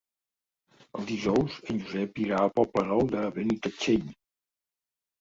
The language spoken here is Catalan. Dijous en Josep irà al Poble Nou de Benitatxell.